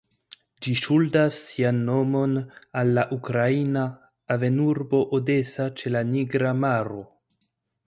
Ĝi ŝuldas sian nomon al la ukraina havenurbo Odesa ĉe la Nigra Maro.